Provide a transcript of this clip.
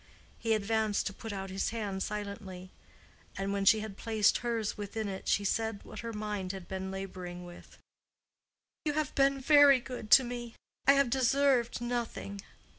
He advanced to put out his hand silently, and when she had placed hers within it, she said what her mind had been laboring with, "You have been very good to me. I have deserved nothing.